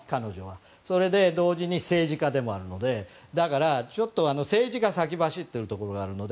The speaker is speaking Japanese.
それで同時に政治家でもあるのでちょっと政治が先走っているところがあるので。